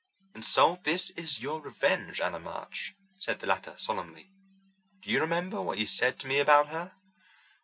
"And so this is your revenge, Anna March?" said the latter solemnly. "Do you remember what you said to me about her?"